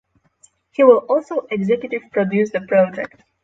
He will also executive produce the project.